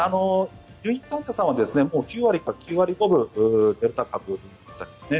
入院患者さんは９割か９割５分デルタ株ですね。